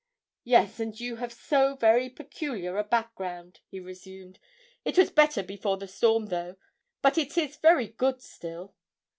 'Yes, and you have so very peculiar a background,' he resumed. 'It was better before the storm though; but it is very good still.'